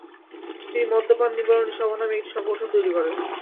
তিনি মদ্যপান নিবারণী সভা’ নামে একটি সংগঠন তৈরি করেন।